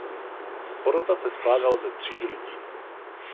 Porota se skládala ze tří lidí.